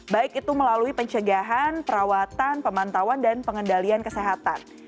baik itu melalui pencegahan perawatan pemantauan dan pengendalian kesehatan